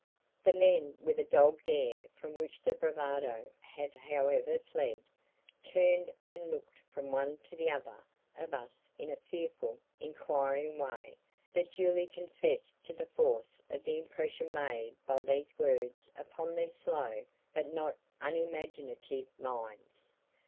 The men with a dogged air from which the bravado had however fled, turned and looked from one to the other of us in a fearful, inquiring way that duly confessed to the force of the impression made by these words upon their slow but not unimaginative minds.